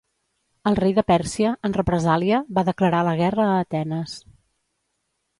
El rei de Pèrsia, en represàlia, va declarar la guerra a Atenes.